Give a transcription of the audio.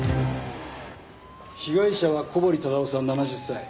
被害者は小堀忠夫さん７０歳。